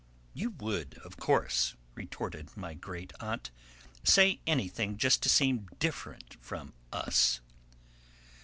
"You would, of course," retorted my great aunt, "say anything just to seem different from us."